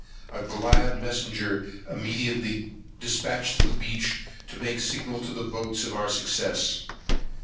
A glad messenger was immediately dispatched to the beach, to make a signal to the boats of our success.